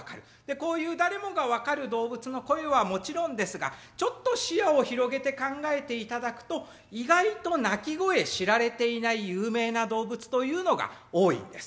こういう誰もが分かる動物の声はもちろんですがちょっと視野を広げて考えていただくと意外と鳴き声知られていない有名な動物というのが多いんです。